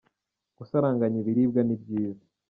Gusaranganya ibiribwa ni byiza.